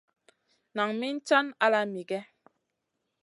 Nan min caŋu ala migè?